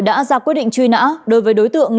đã ra quyết định truy nã đối với đối tượng